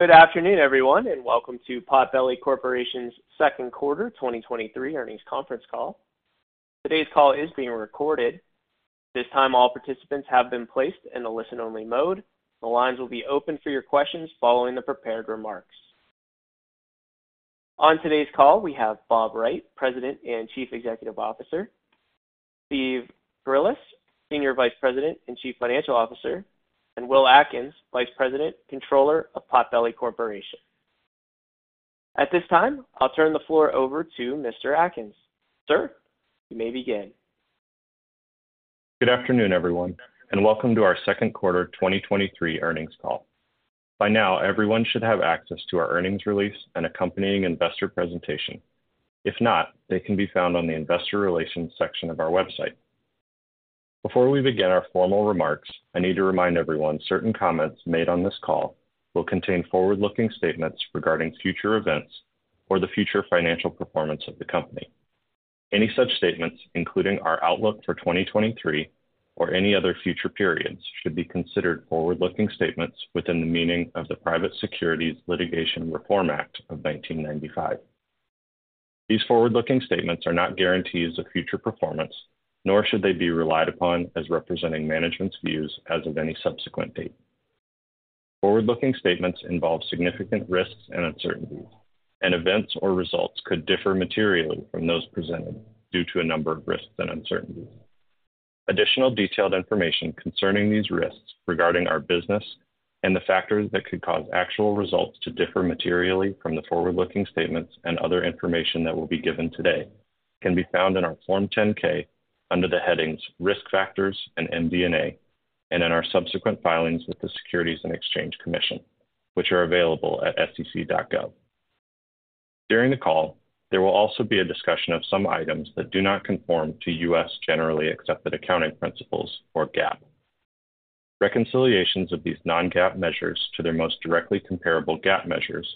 Good afternoon, everyone, and welcome to Potbelly Corporation's Second Quarter 2023 Earnings Conference Call. Today's call is being recorded. At this time, all participants have been placed in a listen-only mode. The lines will be open for your questions following the prepared remarks. On today's call, we have Bob Wright, President and Chief Executive Officer; Steve Cirulis, Senior Vice President and Chief Financial Officer; and Will Atkins, Vice President, Controller of Potbelly Corporation. At this time, I'll turn the floor over to Mr. Atkins. Sir, you may begin. Good afternoon, everyone, and welcome to our Second Quarter 2023 Earnings Call. By now, everyone should have access to our earnings release and accompanying investor presentation. If not, they can be found on the investor relations section of our website. Before we begin our formal remarks, I need to remind everyone, certain comments made on this call will contain forward-looking statements regarding future events or the future financial performance of the company. Any such statements, including our outlook for 2023 or any other future periods, should be considered forward-looking statements within the meaning of the Private Securities Litigation Reform Act of 1995. These forward-looking statements are not guarantees of future performance, nor should they be relied upon as representing management's views as of any subsequent date. Forward-looking statements involve significant risks and uncertainties, and events or results could differ materially from those presented due to a number of risks and uncertainties. Additional detailed information concerning these risks regarding our business and the factors that could cause actual results to differ materially from the forward-looking statements and other information that will be given today can be found in our Form 10-K under the headings Risk Factors and MD&A, and in our subsequent filings with the Securities and Exchange Commission, which are available at sec.gov. During the call, there will also be a discussion of some items that do not conform to U.S. generally accepted accounting principles or GAAP. Reconciliations of these non-GAAP measures to their most directly comparable GAAP measures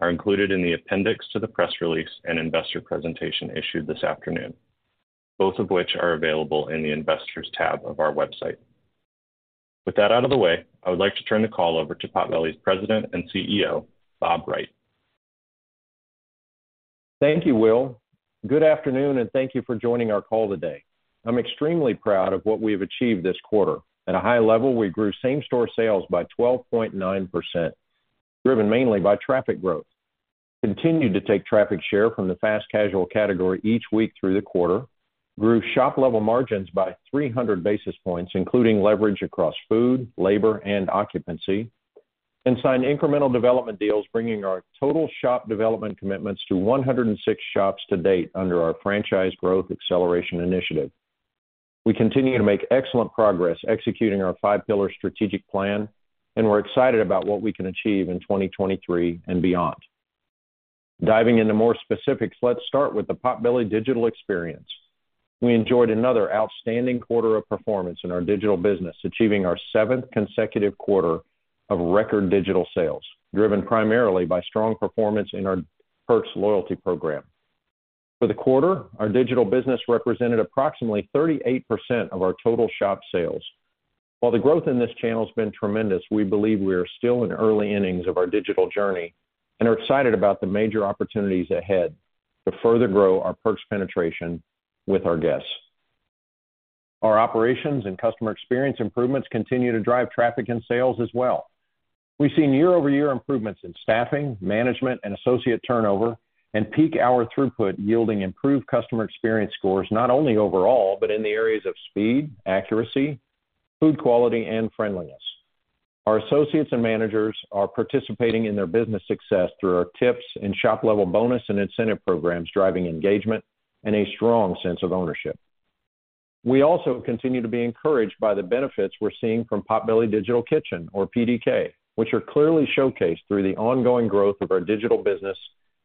are included in the appendix to the press release and investor presentation issued this afternoon, both of which are available in the Investors tab of our website. With that out of the way, I would like to turn the call over to Potbelly's President and CEO, Bob Wright. Thank you, Will. Good afternoon, and thank you for joining our call today. I'm extremely proud of what we have achieved this quarter. At a high level, we grew same-store sales by 12.9%, driven mainly by traffic growth, continued to take traffic share from the fast casual category each week through the quarter, grew shop level margins by 300 basis points, including leverage across food, labor, and occupancy, and signed incremental development deals, bringing our total shop development commitments to 106 shops to date under our franchise growth acceleration initiative. We continue to make excellent progress executing our five pillar strategic plan, and we're excited about what we can achieve in 2023 and beyond. Diving into more specifics, let's start with the Potbelly digital experience. We enjoyed another outstanding quarter of performance in our digital business, achieving our seventh consecutive quarter of record digital sales, driven primarily by strong performance in our Perks loyalty program. For the quarter, our digital business represented approximately 38% of our total shop sales. While the growth in this channel has been tremendous, we believe we are still in early innings of our digital journey and are excited about the major opportunities ahead to further grow our Perks penetration with our guests. Our operations and customer experience improvements continue to drive traffic and sales as well. We've seen year-over-year improvements in staffing, management, and associate turnover, and peak hour throughput, yielding improved customer experience scores, not only overall, but in the areas of speed, accuracy, food quality, and friendliness. Our associates and managers are participating in their business success through our tips and shop-level bonus and incentive programs, driving engagement and a strong sense of ownership. We also continue to be encouraged by the benefits we're seeing from Potbelly Digital Kitchen, or PDK, which are clearly showcased through the ongoing growth of our digital business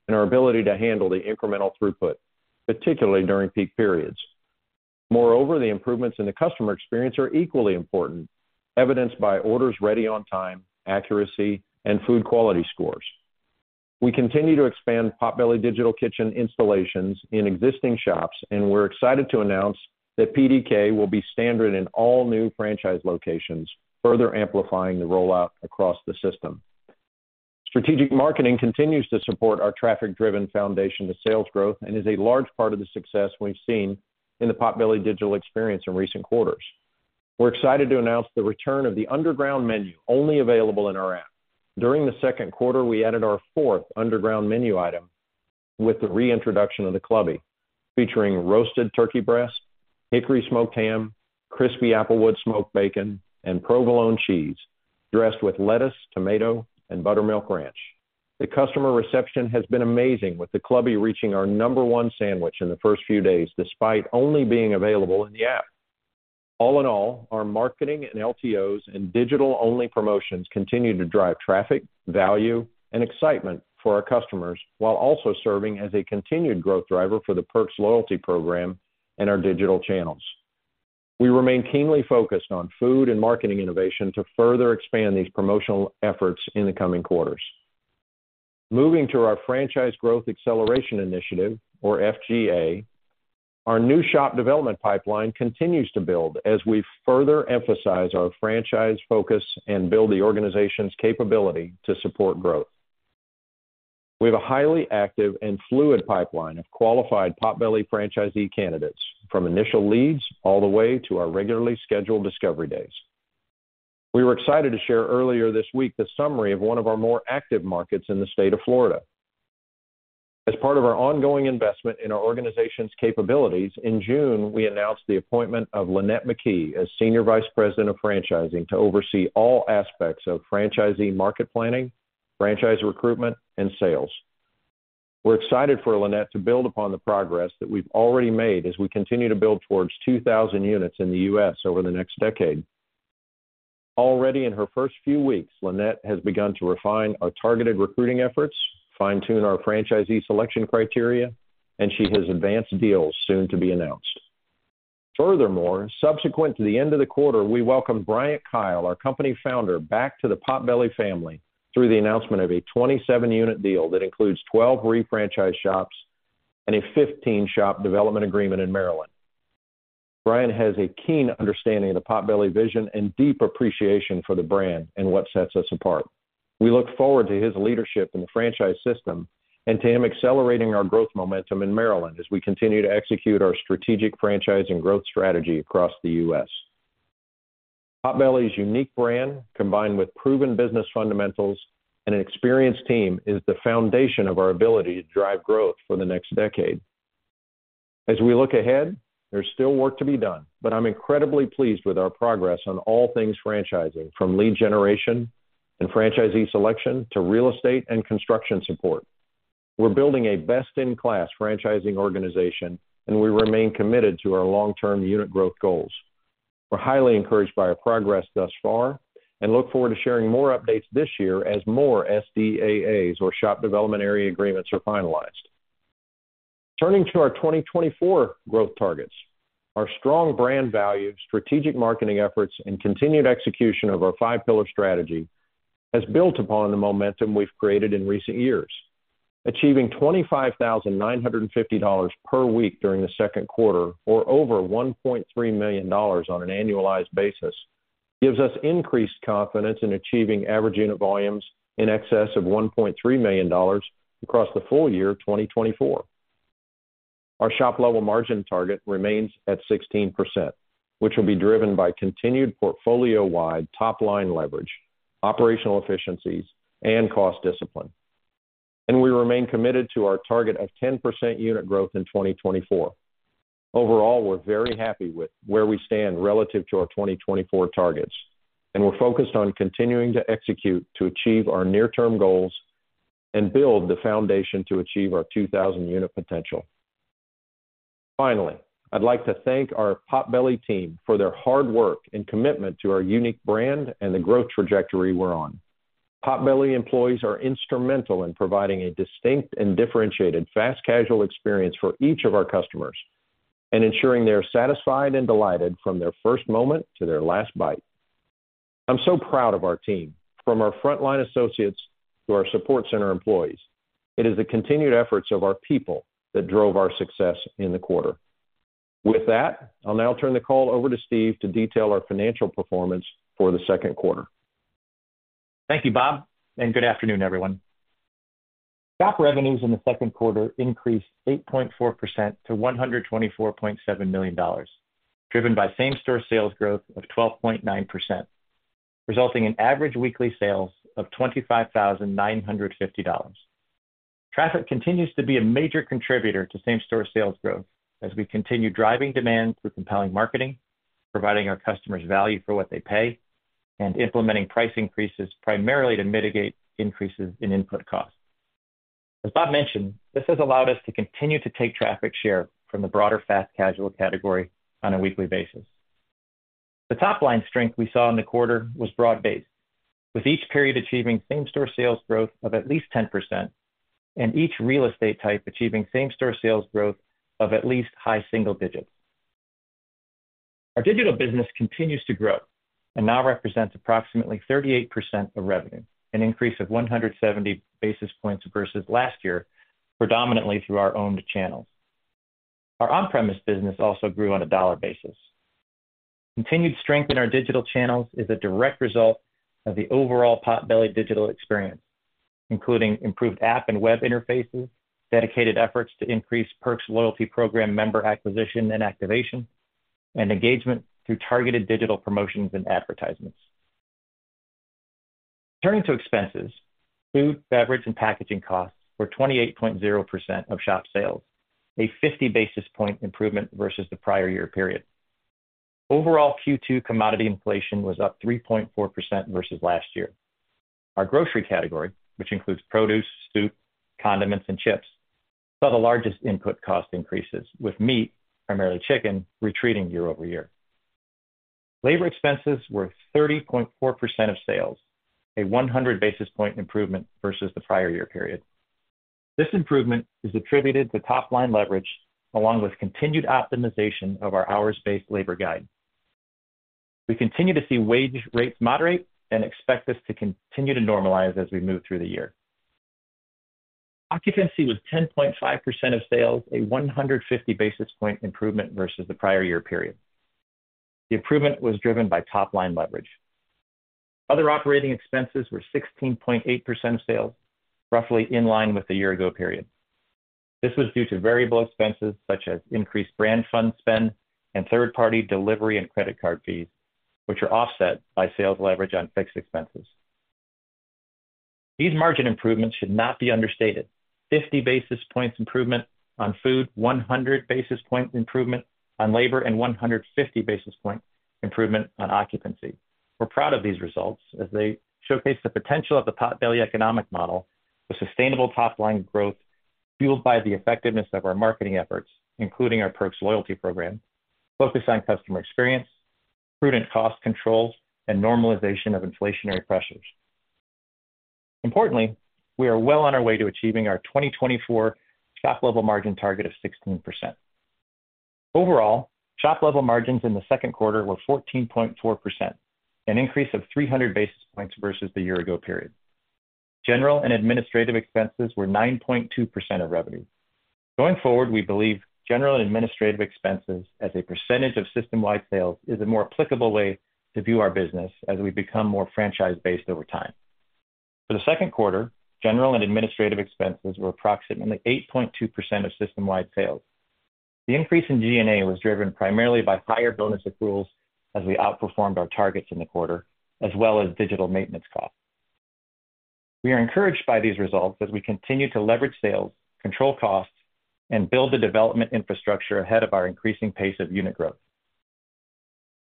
and our ability to handle the incremental throughput, particularly during peak periods. Moreover, the improvements in the customer experience are equally important, evidenced by orders ready on time, accuracy, and food quality scores. We continue to expand Potbelly Digital Kitchen installations in existing shops, and we're excited to announce that PDK will be standard in all new franchise locations, further amplifying the rollout across the system. Strategic marketing continues to support our traffic-driven foundation to sales growth and is a large part of the success we've seen in the Potbelly digital experience in recent quarters. We're excited to announce the return of the Underground Menu, only available in our app. During the second quarter, we added our fourth Underground Menu item with the reintroduction of The Clubby, featuring roasted turkey breast, hickory smoked ham, crispy applewood smoked bacon, and provolone cheese, dressed with lettuce, tomato, and buttermilk ranch. The customer reception has been amazing, with The Clubby reaching our number one sandwich in the first few days, despite only being available in the app. All in all, our marketing and LTOs and digital-only promotions continue to drive traffic, value, and excitement for our customers, while also serving as a continued growth driver for the Perks loyalty program and our digital channels. We remain keenly focused on food and marketing innovation to further expand these promotional efforts in the coming quarters. Moving to our franchise growth acceleration initiative, or FGA, our new shop development pipeline continues to build as we further emphasize our franchise focus and build the organization's capability to support growth. We have a highly active and fluid pipeline of qualified Potbelly franchisee candidates, from initial leads all the way to our regularly scheduled discovery days. We were excited to share earlier this week the summary of one of our more active markets in the state of Florida. As part of our ongoing investment in our organization's capabilities, in June, we announced the appointment of Lynette McKee as Senior Vice President of Franchising to oversee all aspects of franchisee market planning, franchise recruitment, and sales. We're excited for Lynette to build upon the progress that we've already made as we continue to build towards 2,000 units in the U.S. over the next decade. Already in her first few weeks, Lynette has begun to refine our targeted recruiting efforts, fine-tune our franchisee selection criteria, and she has advanced deals soon to be announced. Furthermore, subsequent to the end of the quarter, we welcomed Bryant Keil, our company founder, back to the Potbelly family through the announcement of a 27-unit deal that includes 12 re-franchise shops and a 15-shop development agreement in Maryland. Bryant has a keen understanding of the Potbelly vision and deep appreciation for the brand and what sets us apart. We look forward to his leadership in the franchise system and to him accelerating our growth momentum in Maryland as we continue to execute our strategic franchising growth strategy across the U.S. Potbelly's unique brand, combined with proven business fundamentals and an experienced team, is the foundation of our ability to drive growth for the next decade. We look ahead, there's still work to be done, but I'm incredibly pleased with our progress on all things franchising, from lead generation and franchisee selection to real estate and construction support. We're building a best-in-class franchising organization, we remain committed to our long-term unit growth goals. We're highly encouraged by our progress thus far and look forward to sharing more updates this year as more SDAAs, or shop development area agreements, are finalized. Turning to our 2024 growth targets, our strong brand value, strategic marketing efforts, and continued execution of our five pillar strategy has built upon the momentum we've created in recent years. Achieving $25,950 per week during the second quarter, or over $1.3 million on an annualized basis, gives us increased confidence in achieving average unit volumes in excess of $1.3 million across the full year of 2024. Our shop level margin target remains at 16%, which will be driven by continued portfolio-wide top-line leverage, operational efficiencies, and cost discipline. We remain committed to our target of 10% unit growth in 2024. Overall, we're very happy with where we stand relative to our 2024 targets, and we're focused on continuing to execute to achieve our near-term goals and build the foundation to achieve our 2,000 unit potential. Finally, I'd like to thank our Potbelly team for their hard work and commitment to our unique brand and the growth trajectory we're on. Potbelly employees are instrumental in providing a distinct and differentiated fast casual experience for each of our customers and ensuring they are satisfied and delighted from their first moment to their last bite. I'm so proud of our team, from our frontline associates to our support center employees. It is the continued efforts of our people that drove our success in the quarter. With that, I'll now turn the call over to Steve to detail our financial performance for the second quarter. Thank you, Bob. Good afternoon, everyone. Shop revenues in the second quarter increased 8.4% to $124.7 million, driven by same-store sales growth of 12.9%, resulting in average weekly sales of $25,950. Traffic continues to be a major contributor to same-store sales growth as we continue driving demand through compelling marketing, providing our customers value for what they pay, and implementing price increases primarily to mitigate increases in input costs. As Bob mentioned, this has allowed us to continue to take traffic share from the broader fast casual category on a weekly basis. The top-line strength we saw in the quarter was broad-based, with each period achieving same-store sales growth of at least 10% and each real estate type achieving same-store sales growth of at least high single digits. Our digital business continues to grow and now represents approximately 38% of revenue, an increase of 170 basis points versus last year, predominantly through our owned channels. Our on-premise business also grew on a dollar basis. Continued strength in our digital channels is a direct result of the overall Potbelly digital experience, including improved app and web interfaces, dedicated efforts to increase Perks loyalty program member acquisition and activation, and engagement through targeted digital promotions and advertisements. Turning to expenses, food, beverage, and packaging costs were 28.0% of shop sales, a 50 basis point improvement versus the prior year period. Overall, Q2 commodity inflation was up 3.4% versus last year. Our grocery category, which includes produce, soup, condiments, and chips, saw the largest input cost increases, with meat, primarily chicken, retreating year-over-year. Labor expenses were 30.4% of sales, a 100 basis point improvement versus the prior year period. This improvement is attributed to top-line leverage, along with continued optimization of our hours-based labor guide. We continue to see wage rates moderate and expect this to continue to normalize as we move through the year. Occupancy was 10.5% of sales, a 150 basis point improvement versus the prior year period. The improvement was driven by top-line leverage. Other operating expenses were 16.8% of sales, roughly in line with the year ago period. This was due to variable expenses such as increased brand fund spend and third-party delivery and credit card fees, which are offset by sales leverage on fixed expenses. These margin improvements should not be understated. 50 basis points improvement on food, 100 basis points improvement on labor, and 150 basis point improvement on occupancy. We're proud of these results as they showcase the potential of the Potbelly economic model for sustainable top-line growth, fueled by the effectiveness of our marketing efforts, including our Perks loyalty program, focus on customer experience, prudent cost controls, and normalization of inflationary pressures. Importantly, we are well on our way to achieving our 2024 shop level margin target of 16%. Overall, shop level margins in the second quarter were 14.4%, an increase of 300 basis points versus the year ago period. General and administrative expenses were 9.2% of revenue. Going forward, we believe general and administrative expenses as a percentage of system-wide sales is a more applicable way to view our business as we become more franchise-based over time. For the second quarter, general and administrative expenses were approximately 8.2% of system-wide sales. The increase in G&A was driven primarily by higher bonus accruals as we outperformed our targets in the quarter, as well as digital maintenance costs. We are encouraged by these results as we continue to leverage sales, control costs, and build the development infrastructure ahead of our increasing pace of unit growth.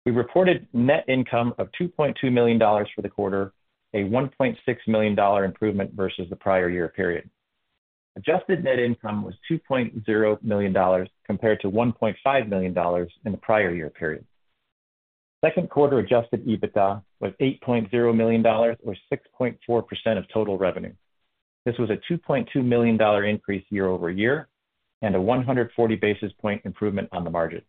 We reported net income of $2.2 million for the quarter, a $1.6 million improvement versus the prior year period. Adjusted net income was $2.0 million, compared to $1.5 million in the prior year period. Second quarter adjusted EBITDA was $8.0 million, or 6.4% of total revenue. This was a $2.2 million increase year-over-year and a 140 basis point improvement on the margin.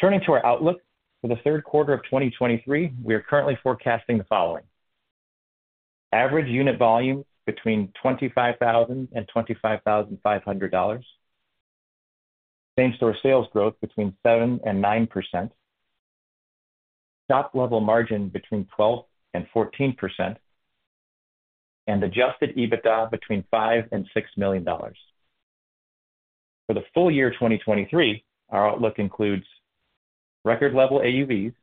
Turning to our outlook for the third quarter of 2023, we are currently forecasting the following: average unit volume between $25,000-$25,500, same-store sales growth between 7%-9%, shop level margin between 12%-14%, and adjusted EBITDA between $5 million-$6 million. For the full year 2023, our outlook includes record level AUVs,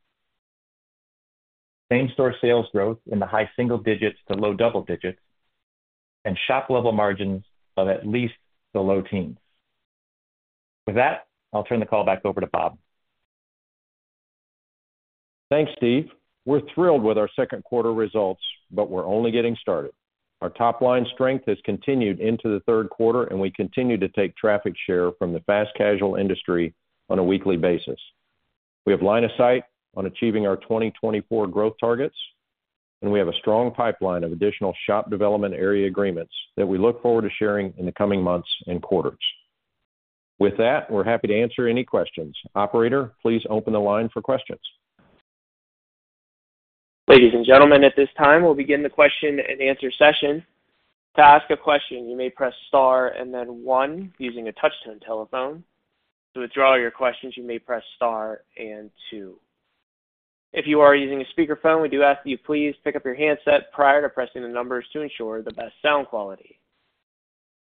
same-store sales growth in the high single digits to low double digits, and shop level margins of at least the low teens. With that, I'll turn the call back over to Bob. Thanks, Steve. We're thrilled with our second quarter results. We're only getting started. Our top line strength has continued into the third quarter. We continue to take traffic share from the fast casual industry on a weekly basis. We have line of sight on achieving our 2024 growth targets. We have a strong pipeline of additional Shop Development Area Agreements that we look forward to sharing in the coming months and quarters. With that, we're happy to answer any questions. Operator, please open the line for questions. Ladies and gentlemen, at this time, we'll begin the question-and-answer session. To ask a question, you may press star and then one using a touch-tone telephone. To withdraw your questions, you may press star and two. If you are using a speakerphone, we do ask that you please pick up your handset prior to pressing the numbers to ensure the best sound quality.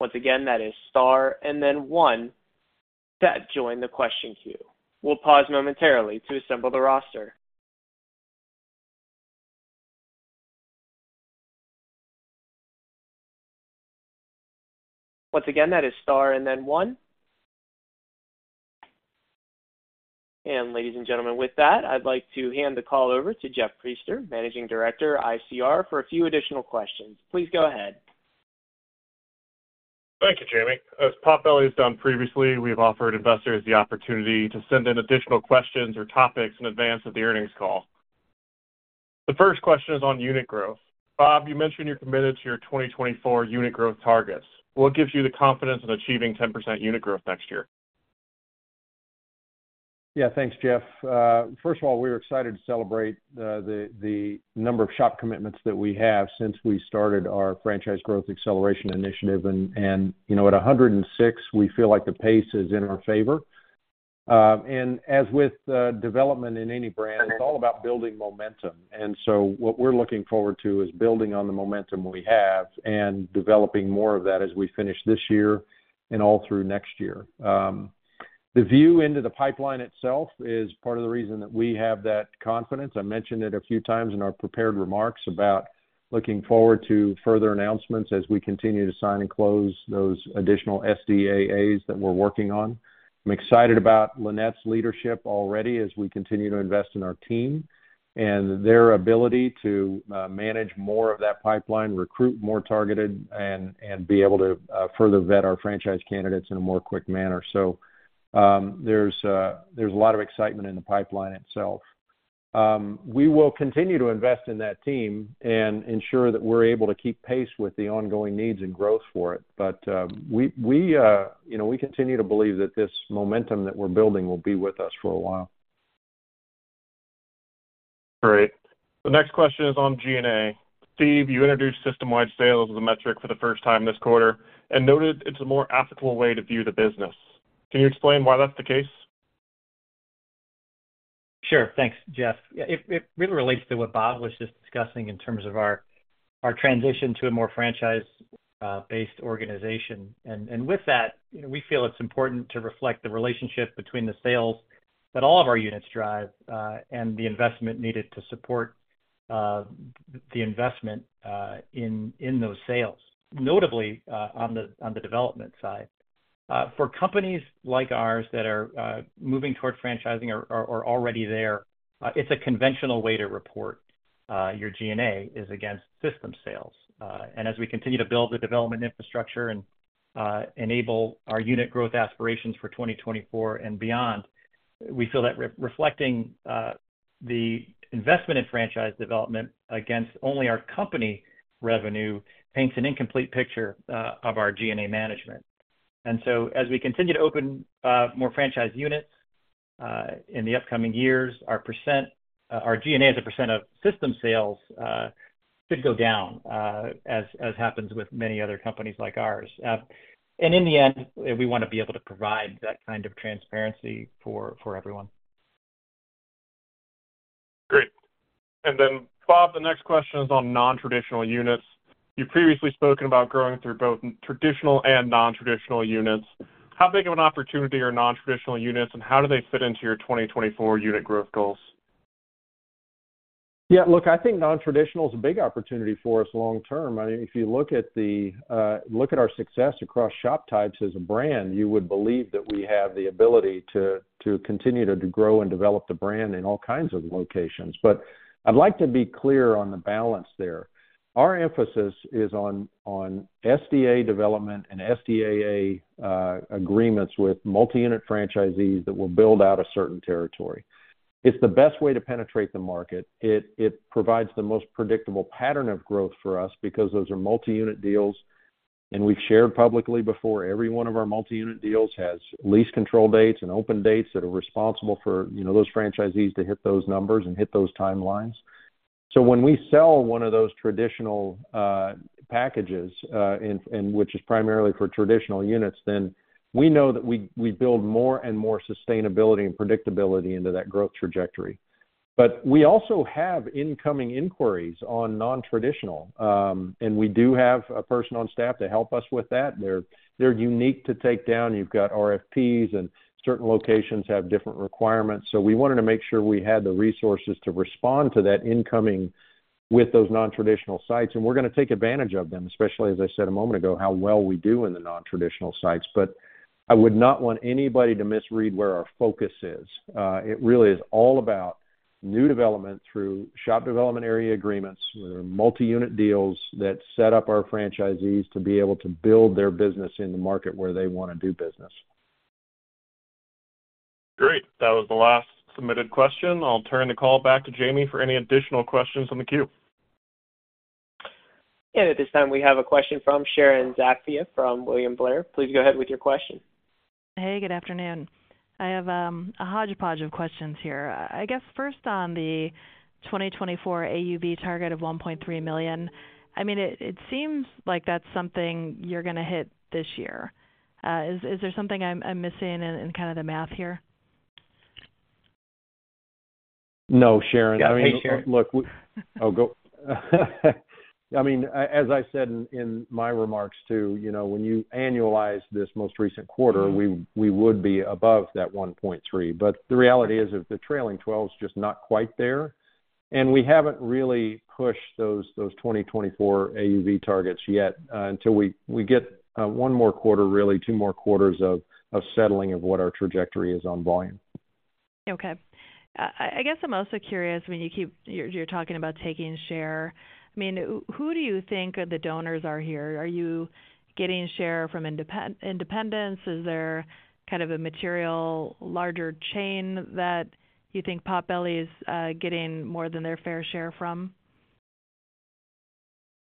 Once again, that is star and then one to join the question queue. We'll pause momentarily to assemble the roster. Once again, that is star and then one. Ladies and gentlemen, with that, I'd like to hand the call over to Jeff Priester, Managing Director, ICR, for a few additional questions. Please go ahead. Thank you, Jamie. As Potbelly has done previously, we've offered investors the opportunity to send in additional questions or topics in advance of the earnings call. The first question is on unit growth. Bob, you mentioned you're committed to your 2024 unit growth targets. What gives you the confidence in achieving 10% unit growth next year? Yeah, thanks, Jeff. First of all, we are excited to celebrate the number of shop commitments that we have since we started our Franchise Growth Acceleration initiative. You know, at 106, we feel like the pace is in our favor. As with development in any brand, it's all about building momentum. What we're looking forward to is building on the momentum we have and developing more of that as we finish this year and all through next year. The view into the pipeline itself is part of the reason that we have that confidence. I mentioned it a few times in our prepared remarks about looking forward to further announcements as we continue to sign and close those additional SDAAs that we're working on. I'm excited about Lynette's leadership already as we continue to invest in our team and their ability to manage more of that pipeline, recruit more targeted and be able to further vet our franchise candidates in a more quick manner. There's a lot of excitement in the pipeline itself. We will continue to invest in that team and ensure that we're able to keep pace with the ongoing needs and growth for it. We, you know, we continue to believe that this momentum that we're building will be with us for a while. Great. The next question is on G&A. Steve, you introduced system-wide sales as a metric for the first time this quarter and noted it's a more applicable way to view the business. Can you explain why that's the case? Sure. Thanks, Jeff. Yeah, it, it really relates to what Bob was just discussing in terms of our, our transition to a more franchise-based organization. And with that, you know, we feel it's important to reflect the relationship between the sales that all of our units drive and the investment needed to support the investment in those sales, notably on the development side. For companies like ours that are moving toward franchising or, or, are already there, it's a conventional way to report your G&A is against system sales. And as we continue to build the development infrastructure and enable our unit growth aspirations for 2024 and beyond, we feel that reflecting the investment in franchise development against only our company revenue paints an incomplete picture of our G&A management. As we continue to open more franchise units in the upcoming years, our G&A as a percentage of system sales could go down as, as happens with many other companies like ours. In the end, we want to be able to provide that kind of transparency for everyone. Great. Bob, the next question is on nontraditional units. You've previously spoken about growing through both traditional and nontraditional units. How big of an opportunity are nontraditional units, and how do they fit into your 2024 unit growth goals? Yeah, look, I think nontraditional is a big opportunity for us long term. I mean, if you look at the, look at our success across shop types as a brand, you would believe that we have the ability to, to continue to grow and develop the brand in all kinds of locations. I'd like to be clear on the balance there. Our emphasis is on, on SDA development and SDAA agreements with multi-unit franchisees that will build out a certain territory. It's the best way to penetrate the market. It, it provides the most predictable pattern of growth for us because those are multi-unit deals, and we've shared publicly before, every one of our multi-unit deals has lease control dates and open dates that are responsible for, you know, those franchisees to hit those numbers and hit those timelines. When we sell one of those traditional packages, which is primarily for traditional units, we know that we build more and more sustainability and predictability into that growth trajectory. We also have incoming inquiries on nontraditional, and we do have a person on staff to help us with that. They're, they're unique to take down. You've got RFPs, and certain locations have different requirements. We wanted to make sure we had the resources to respond to that incoming with those nontraditional sites, and we're going to take advantage of them, especially as I said a moment ago, how well we do in the nontraditional sites. I would not want anybody to misread where our focus is. It really is all about new development through Shop Development Area Agreements, where multi-unit deals that set up our franchisees to be able to build their business in the market where they want to do business. Great. That was the last submitted question. I'll turn the call back to Jamie for any additional questions on the queue. At this time, we have a question from Sharon Zackfia from William Blair. Please go ahead with your question. Hey, good afternoon. I have a hodgepodge of questions here. I guess first on the 2024 AUV target of $1.3 million. I mean, it, it seems like that's something you're going to hit this year. Is, is there something I'm, I'm missing in, in kind of the math here? No, Sharon. Yeah. Hey, Sharon. Look, I mean, as I said in, in my remarks, too, you know, when you annualize this most recent quarter, we, we would be above that $1.3. The reality is that the trailing twelve is just not quite there, and we haven't really pushed those, those 2024 AUV targets yet. Until we, we get one more quarter, really two more quarters of, of settling of what our trajectory is on volume. Okay. I guess I'm also curious, I mean, you're talking about taking share. I mean, who, who do you think the donors are here? Are you getting share from independence? Is there kind of a material, larger chain that you think Potbelly is getting more than their fair share from?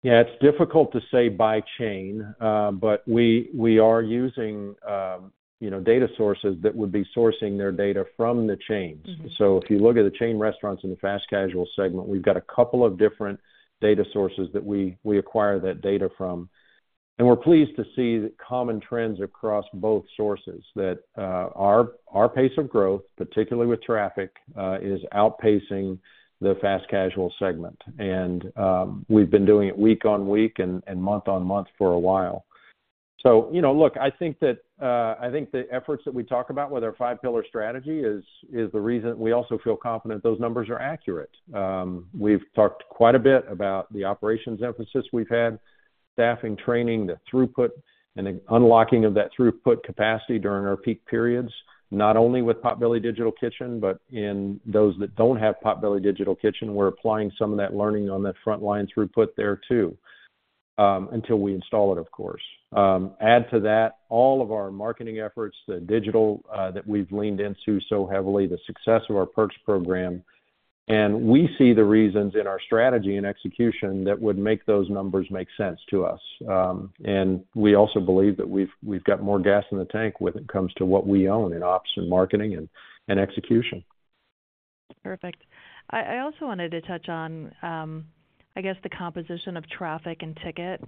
Yeah, it's difficult to say by chain, but we, we are using, you know, data sources that would be sourcing their data from the chains. If you look at the chain restaurants in the fast casual segment, we've got a couple of different data sources that we, we acquire that data from. We're pleased to see the common trends across both sources that our pace of growth, particularly with traffic, is outpacing the fast casual segment. We've been doing it week on week and month on month for a while. You know, look, I think that I think the efforts that we talk about with our five pillar strategy is, is the reason we also feel confident those numbers are accurate. We've talked quite a bit about the operations emphasis we've had, staffing, training, the throughput, and the unlocking of that throughput capacity during our peak periods, not only with Potbelly Digital Kitchen, but in those that don't have Potbelly Digital Kitchen, we're applying some of that learning on that frontline throughput there, too. Until we install it, of course. Add to that, all of our marketing efforts, the digital, that we've leaned into so heavily, the success of our Perks program, and we see the reasons in our strategy and execution that would make those numbers make sense to us. We also believe that we've, we've got more gas in the tank when it comes to what we own in ops and marketing and, and execution. Perfect. I, I also wanted to touch on, I guess, the composition of traffic and ticket,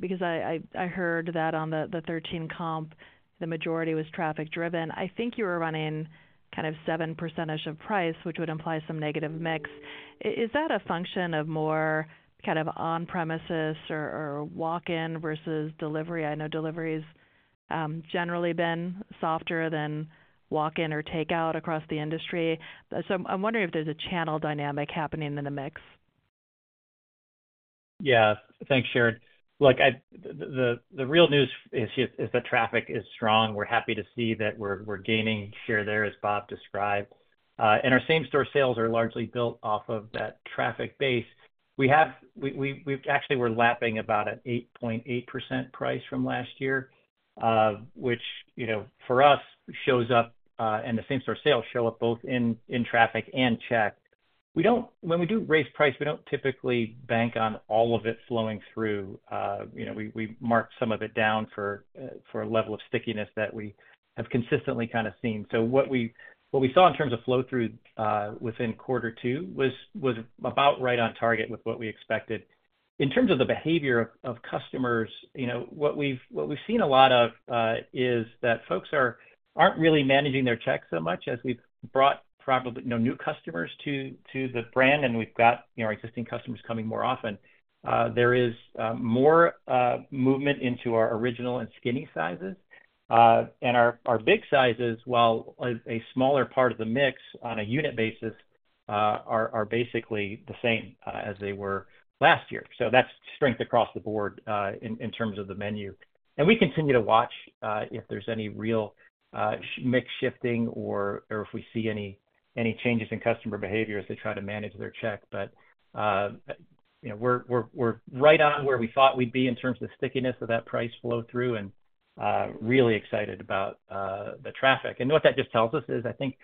because I, I, I heard that on the, the 13 comp, the majority was traffic driven. I think you were running kind of 7% of price, which would imply some negative mix. Is that a function of more kind of on-premises or, or walk-in versus delivery? I know delivery's generally been softer than walk-in or takeout across the industry. I'm wondering if there's a channel dynamic happening in the mix. Yeah. Thanks, Sharon. Look, I-- the, the, the real news is just, is that traffic is strong. We're happy to see that we're, we're gaining share there, as Bob described. And our same-store sales are largely built off of that traffic base. We have -- we, we, we've actually we're lapping about an 8.8% price from last year, which, you know, for us, shows up, and the same-store sales show up both in, in traffic and check. We don't-- when we do raise price, we don't typically bank on all of it flowing through. You know, we, we mark some of it down for, for a level of stickiness that we have consistently kind of seen. What we, what we saw in terms of flow-through, within quarter 2, was, was about right on target with what we expected. In terms of the behavior of, of customers, you know, what we've, what we've seen a lot of, is that folks are, aren't really managing their checks so much as we've brought probably, you know, new customers to, to the brand, and we've got, you know, existing customers coming more often. There is, more, movement into our original and skinny sizes. Our, our big sizes, while a, a smaller part of the mix on a unit basis, are, are basically the same, as they were last year. That's strength across the board, in, in terms of the menu. We continue to watch, if there's any real mix shifting or, or if we see any, any changes in customer behavior as they try to manage their check. You know, we're, we're, we're right on where we thought we'd be in terms of the stickiness of that price flow-through, and really excited about the traffic. What that just tells us is, I think,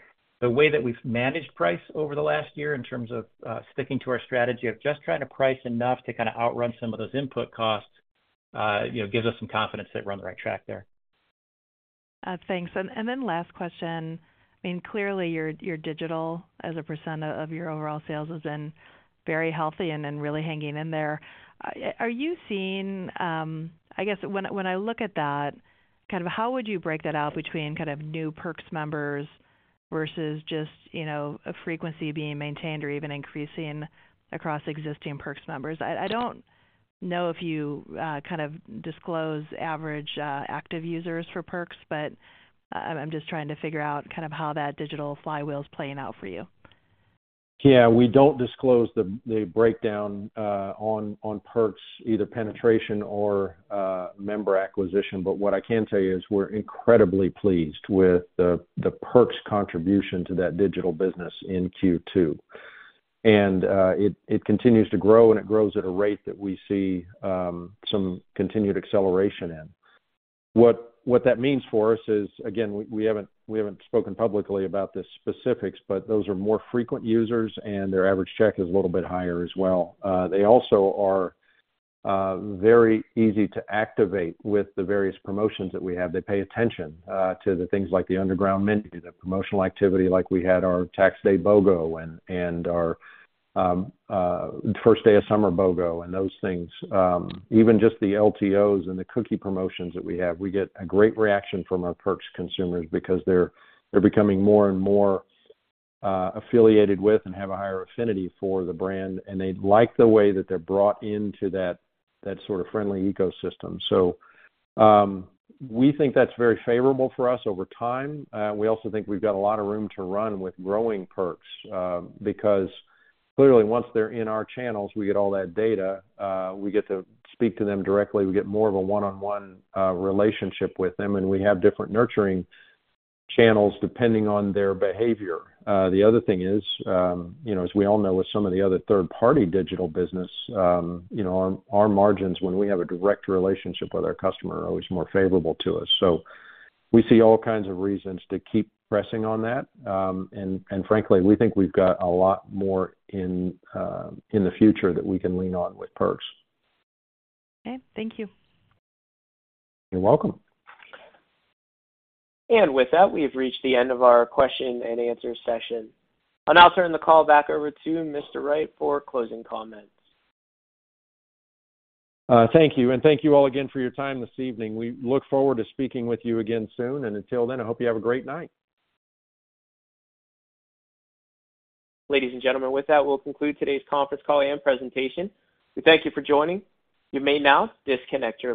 the way that we've managed price over the last year in terms of sticking to our strategy of just trying to price enough to kind of outrun some of those input costs, you know, gives us some confidence that we're on the right track there. Thanks. Then last question. I mean, clearly, your, your digital as a percentage of, of your overall sales has been very healthy and, and really hanging in there. Are you seeing... I guess, when, when I look at that, kind of how would you break that out between kind of new Perks members versus just, you know, a frequency being maintained or even increasing across existing Perks members? I, I don't know if you kind of disclose average active users for Perks, but I'm just trying to figure out kind of how that digital flywheel is playing out for you. Yeah, we don't disclose the breakdown on Perks, either penetration or member acquisition. What I can tell you is we're incredibly pleased with the Perks contribution to that digital business in Q2. It continues to grow, and it grows at a rate that we see some continued acceleration in. What that means for us is, again, we haven't spoken publicly about the specifics, but those are more frequent users, and their average check is a little bit higher as well. They also are very easy to activate with the various promotions that we have. They pay attention to the things like the Underground Menu, the promotional activity, like we had our Tax Day BOGO and our first day of summer BOGO and those things. Even just the LTOs and the cookie promotions that we have, we get a great reaction from our Perks consumers because they're becoming more and more affiliated with and have a higher affinity for the brand, and they like the way that they're brought into that sort of friendly ecosystem. We think that's very favorable for us over time. We also think we've got a lot of room to run with growing Perks, because clearly, once they're in our channels, we get all that data, we get to speak to them directly. We get more of a one-on-one relationship with them, and we have different nurturing channels depending on their behavior. The other thing is, you know, as we all know, with some of the other third-party digital business, you know, our, our margins, when we have a direct relationship with our customer, are always more favorable to us. We see all kinds of reasons to keep pressing on that. Frankly, we think we've got a lot more in the future that we can lean on with Perks. Okay. Thank you. You're welcome. With that, we've reached the end of our question-and-answer session. I'll now turn the call back over to Mr. Wright for closing comments. Thank you, and thank you all again for your time this evening. We look forward to speaking with you again soon. Until then, I hope you have a great night. Ladies and gentlemen, with that, we'll conclude today's conference call and presentation. We thank you for joining. You may now disconnect your lines.